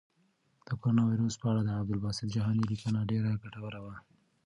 د کرونا وېروس په اړه د عبدالباسط جهاني لیکنه ډېره ګټوره وه.